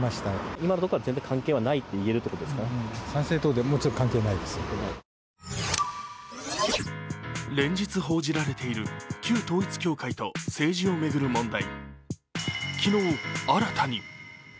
現在の関係については連日報じられている旧統一教会と政治を巡る問題。